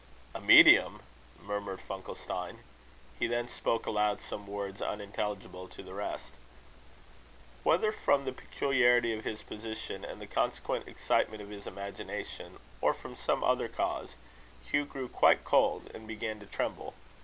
"A medium!" murmured Funkelstein. He then spoke aloud some words unintelligible to the rest. Whether from the peculiarity of his position and the consequent excitement of his imagination, or from some other cause, Hugh grew quite cold, and began to tremble.